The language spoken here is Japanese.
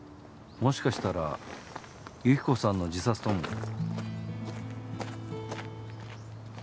もしかしたら由紀子さんの自殺とも。